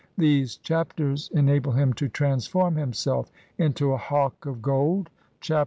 These Chapters en able him to transform himself into a hawk of gold (Chap.